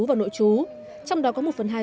và nội chú trong đó có một phần hai